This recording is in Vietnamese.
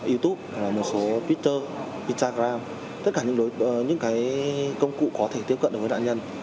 youtube một số twitter instagram tất cả những công cụ có thể tiếp cận được với nạn nhân